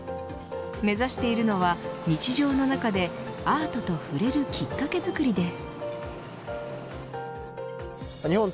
目指しているのは日常の中でアートと触れるきっかけづくりです。